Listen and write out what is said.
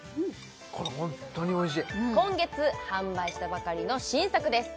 これホントにおいしい今月販売したばかりの新作です